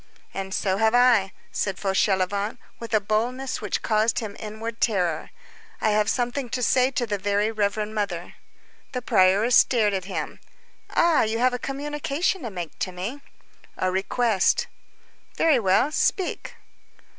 "And so have I," said Fauchelevent with a boldness which caused him inward terror, "I have something to say to the very reverend Mother." The prioress stared at him. "Ah! you have a communication to make to me." "A request." "Very well, speak."